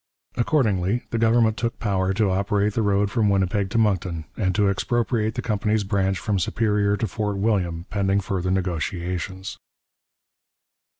Accordingly the government took power to operate the road from Winnipeg to Moncton, and to expropriate the company's branch from Superior to Fort William, pending further negotiations.